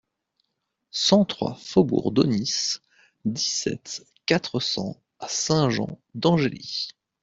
cent trois faubourg d'Aunis, dix-sept, quatre cents à Saint-Jean-d'Angély